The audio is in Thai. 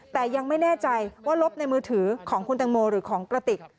แต่ยังไม่แน่ใจว่าลบในมือถือของคุณตังโมหรือของกระติก